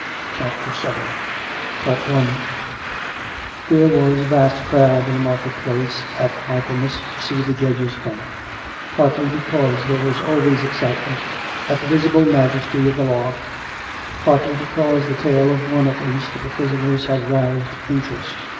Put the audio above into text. CHAPTER VII There was a vast crowd in the market place at Michaelmas to see the judges come — partly because there was always excitement at the visible majesty of the law; partly be cause the tale of one at least of the prisoners had roused interest.